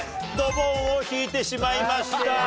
ドボンを引いてしまいました。